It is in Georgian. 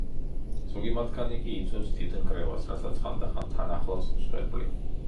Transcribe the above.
ზოგი მათგანი კი იწვევს დიდ ნგრევას, რასაც ხანდახან თან ახლავს მსხვერპლი.